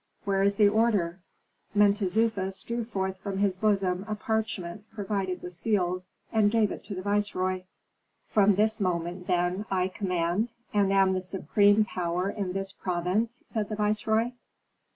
"Where is the order?" Mentezufis drew forth from his bosom a parchment provided with seals, and gave it to the viceroy. "From this moment then I command, and am the supreme power in this province," said the viceroy.